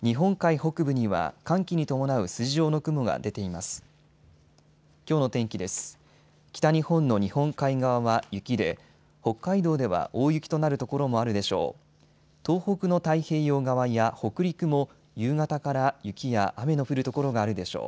北日本の日本海側は雪で北海道では大雪となる所もあるでしょう。